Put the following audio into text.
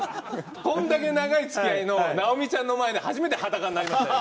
こんだけ長いつきあいの尚美ちゃんの前で初めて裸になりましたよ。